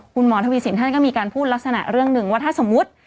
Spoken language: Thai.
คุณหมอทวีสินท่านก็มีการพูดลักษณะเรื่องหนึ่งว่าถ้าสมมุติ